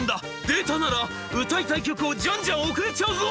「データなら歌いたい曲をじゃんじゃん送れちゃうぞ！」。